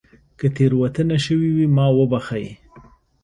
که تېروتنه شوې وي ما وبښئ